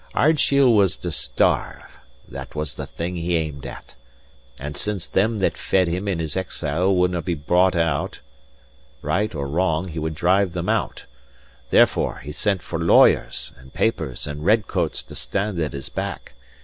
Ardshiel was to starve: that was the thing he aimed at. And since them that fed him in his exile wouldnae be bought out right or wrong, he would drive them out. Therefore he sent for lawyers, and papers, and red coats to stand at his back.